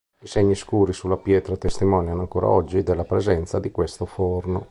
I segni scuri sulla pietra testimoniano ancora oggi della presenza di questo forno.